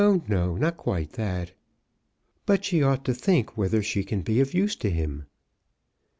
"No; not quite that. But she ought to think whether she can be of use to him."